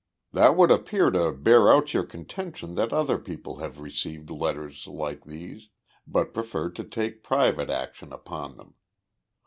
"That would appear to bear out your contention that other people have received letters like these, but preferred to take private action upon them.